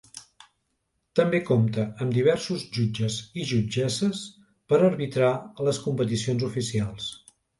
També compta amb diversos jutges i jutgesses per arbitrar les competicions oficials.